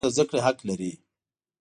هر ماشوم د زده کړې حق لري.